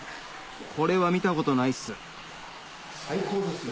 これは見たことないっす最高ですよ。